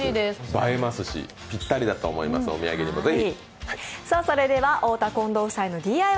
映えますし、ピッタリだと思います、お土産にぜひ。